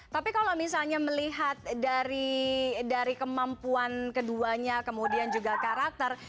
tapi kalau misalnya melihat dari kemampuan keduanya kemudian juga karakter